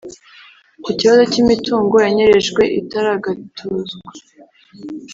Ku kibazo cy’imitungo yanyerejwe itaragatuzwa